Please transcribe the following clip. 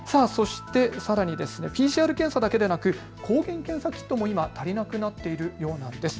さらにＰＣＲ検査だけではなく抗原検査キットも今、足りなくなっているようなんです。